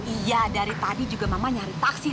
iya dari tadi juga mama nyari taksi